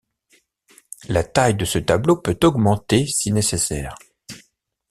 La taille de ce tableau peut augmenter si nécessaire.